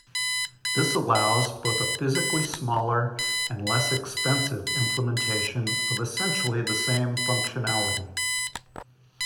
This allows both a physically smaller and less-expensive implementation of essentially the same functionality.